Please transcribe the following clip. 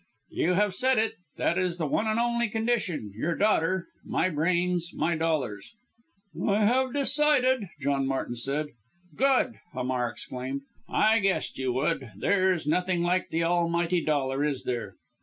"You have said it that is the one and only condition. Your daughter my brains, my dollars." "I have decided!" John Martin said. "Good!" Hamar exclaimed; "I guessed you would! There's nothing like the almighty dollar, is there?"